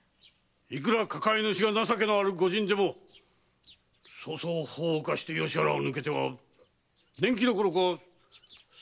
いくら抱え主が情けある御仁でもそうそう法を犯して吉原を抜けては年期どころかその身も危うくなるぞ。